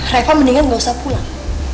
reva mendingan nggak usah pulang